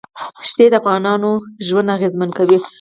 ښتې د افغانانو ژوند اغېزمن کوي.